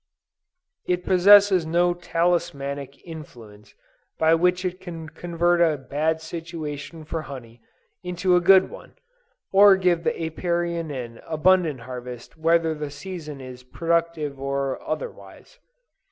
It possesses no talismanic influence by which it can convert a bad situation for honey, into a good one; or give the Apiarian an abundant harvest whether the season is productive or otherwise.